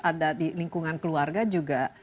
ada di lingkungan keluarga juga